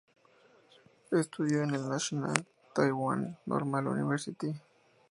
Estudió en el National Taiwan Normal University.